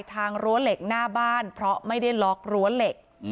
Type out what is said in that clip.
รั้วเหล็กหน้าบ้านเพราะไม่ได้ล็อกรั้วเหล็ก